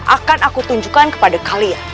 akan aku tunjukkan kepada kalian